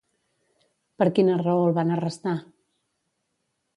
Per quina raó el van arrestar?